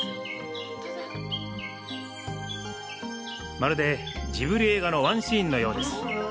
まるで、ジブリ映画のワンシーンのようです。